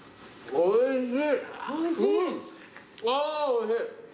おいしい。